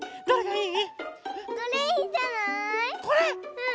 うん！